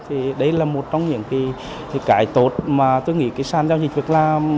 thì đấy là một trong những cái tốt mà tôi nghĩ sàn giao dịch việc làm